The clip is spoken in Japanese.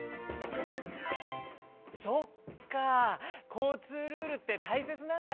こうつうルールってたいせつなんだね。